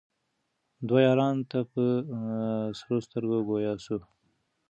دوو یارانو ته په سرو سترګو ګویا سو